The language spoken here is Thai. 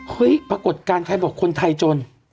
ปรากฏการณ์ใครบอกคนไทยจน